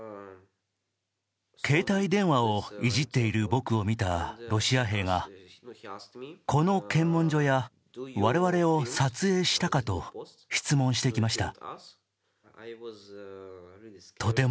携帯電話をいじっている僕を見たロシア兵がこの検問所や我々を撮影したかと質問してきました。